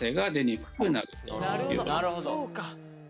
なるほどあっそうか！